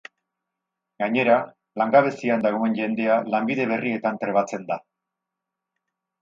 Gainera, langabezian dagoen jendea lanbide berrietan trebatzen da.